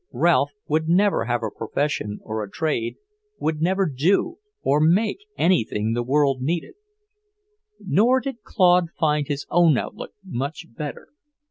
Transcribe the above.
Ralph would never have a profession or a trade, would never do or make anything the world needed. Nor did Claude find his own outlook much better.